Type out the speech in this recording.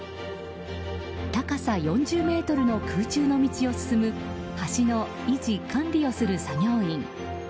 高さ４０ｍの空中の道を進む橋の維持・管理をする作業員。